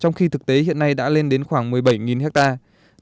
trong khi thực tế hiện nay đã lên đến khoảng một mươi bảy hectare